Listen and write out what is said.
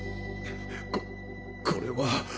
ここれは。